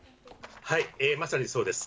まさにそうです。